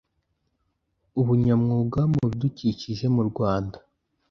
ubunyamwuga mu bidukikije mu rwanda